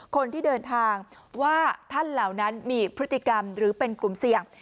คนที่เดินทางว่าท่านเหล่านั้นมีพฤติกรรมหรือเป็นกลุ่มเสี่ยง